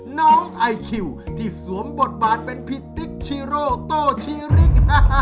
น้องไอคิวที่สวมบทบาทเป็นพี่ติ๊กชีโร่โต้ชีริก